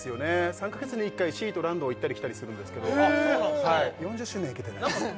３カ月に１回シーとランドを行ったり来たりするんですけど４０周年は行けてないですね